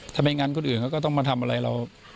ทำไมงั้นคนอื่นเขาก็ต้องมาทำอะไรเรา